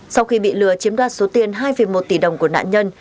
sau khi bị lừa chiếm đoạt số tiền hai một tỷ đồng của nạn nhân